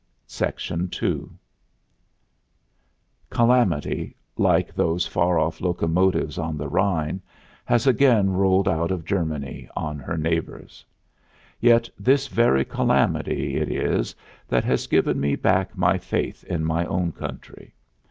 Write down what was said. II Calamity, like those far off locomotives on the Rhine, has again rolled out of Germany on her neighbors. Yet this very Calamity it is that has given me back my faith in my own country.